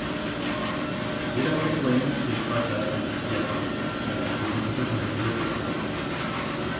Yera frecuent que els fachas se mezcllasen dan els numerosos alumnos de las aulas.